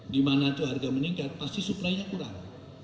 di mana itu harga meningkat pasti suplainya kurang